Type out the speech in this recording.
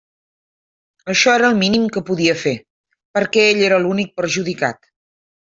Això era el mínim que podia fer, perquè ell era l'únic perjudicat.